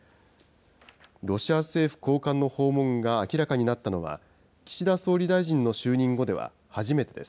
ロシア政府高官の訪問が明らかになったのは、岸田総理大臣の就任後では初めてです。